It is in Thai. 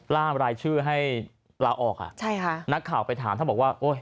ล่ามรายชื่อให้ลาออกอ่ะใช่ค่ะนักข่าวไปถามถ้าบอกว่าโอ้ย